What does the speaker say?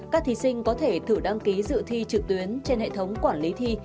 các thí sinh có thể thử đăng ký dự thi trực tuyến trên hệ thống quản lý thi